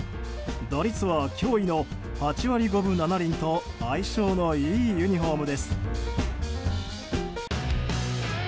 打率は驚異の８割５分７厘と相性のいいユニホームです。